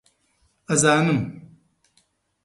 ئەزانم